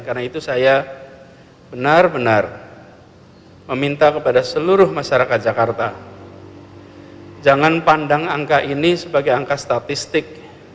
karena itu saya benar benar meminta kepada seluruh masyarakat jakarta jangan pandang angka ini sebagai angka statistik